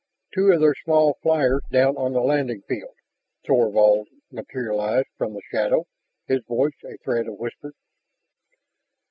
"Two of their small flyers down on the landing field...." Thorvald materialized from the shadow, his voice a thread of whisper.